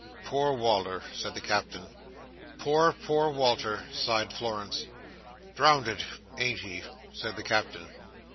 "Poor Wal"r!" said the Captain. "Poor, poor Walter!" sighed Florence. "Drownded, ain't he?" said the Captain.